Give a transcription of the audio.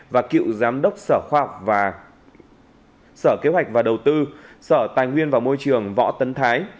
và cựu giám đốc sở khoa học và sở kế hoạch và đầu tư sở tài nguyên và môi trường võ tấn thái